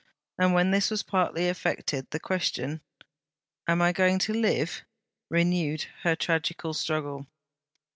And when this was partly effected, the question, Am I going to live? renewed her tragical struggle.